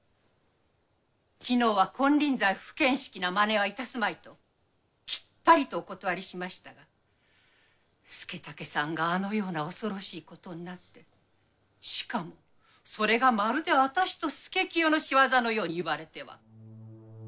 昨日は金輪際不見識なマネはいたすまいときっぱりとお断りしましたが佐武さんがあのような恐ろしいことになってしかもそれがまるで私と佐清の仕業のように言われては。